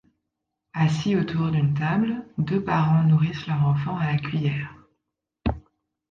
Assis autour d'une table, deux parents nourrissent leur enfant à la cuillère.